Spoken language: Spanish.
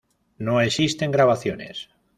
No existen grabaciones.